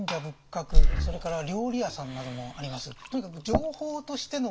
それから料理屋さんなどもあります。